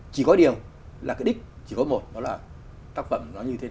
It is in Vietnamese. chỉ có điều là cái đích chỉ có một đó là tác phẩm nó như thế